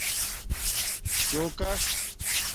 چُݸکس